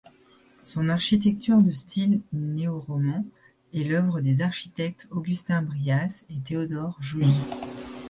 Son architecture de style néoroman est l'œuvre des architectes Augustin Brias et Théodore Joly.